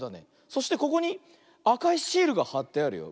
そしてここにあかいシールがはってあるよ。